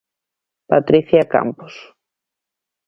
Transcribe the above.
Patricia Campos.